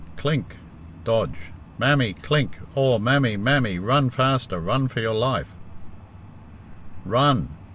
clink (dodge), mammy, clink! Aw, mammy, mammy, run faster, run for your life, run!"